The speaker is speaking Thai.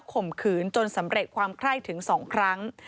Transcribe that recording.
ข่มขืนจนสำเร็จความไคร้ถึง๒ครั้ง